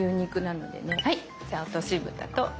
じゃあ落としぶたと。